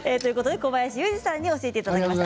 小林雄二さんに教えていただきました。